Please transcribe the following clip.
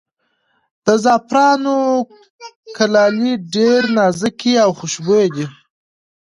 د زعفرانو کلالې ډېرې نازکې او خوشبویه دي.